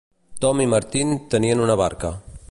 Tom i Martin tenien una barca.